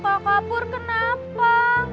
pak kapur kenapa